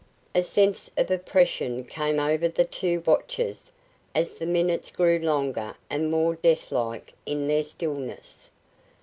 A sense of oppression came over the two watchers as the minutes grew longer and more deathlike in their stillness.